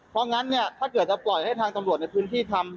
เพราะงั้นเนี่ยถ้าเกิดจะปล่อยให้ทางตำรวจในพื้นที่ทำ